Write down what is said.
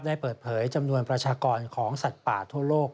ได้เปิดเผยจำนวนประชากรของสัตว์ป่าทั่วโลก